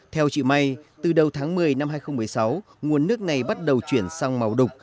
theo chị may từ đầu tháng một mươi năm hai nghìn một mươi sáu nguồn nước này bắt đầu chuyển sang màu đục